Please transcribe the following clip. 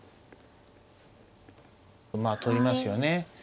まあ取りますよね。